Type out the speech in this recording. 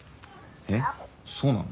えっそうなの？